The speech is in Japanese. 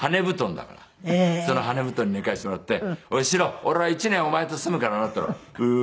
「その羽根布団に寝かせてもらって“おい史郎俺は１年お前と住むからな”って言ったら“ええー